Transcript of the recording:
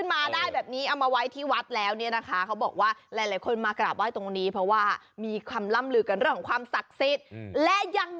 สามนิดเดียวต่อแยวค่ะเรือดอกเบี้ยมันเป็นเรื่องละเอียดอ่อน